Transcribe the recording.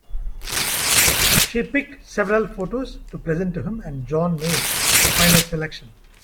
She picked several photos to present to him, and John made the final selection.